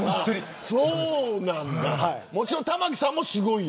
もちろん玉木さんもすごいんだ。